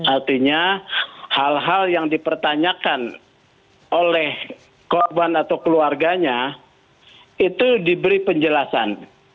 artinya hal hal yang dipertanyakan oleh korban atau keluarganya itu diberi penjelasan